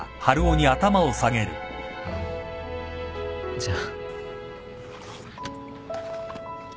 じゃあ。